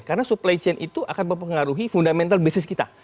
karena supply chain itu akan mempengaruhi fundamental bisnis kita